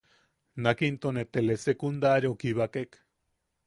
Nak into ne telesecundariau kibakek.